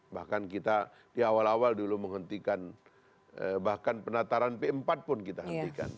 bahkan kita di awal awal dulu menghentikan bahkan penataran p empat pun kita hentikan